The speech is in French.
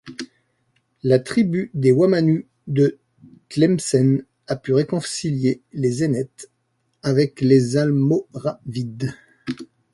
La tribu des Wamanu de Tlemcen a pu réconcilier les Zénètes avec les Almoravides.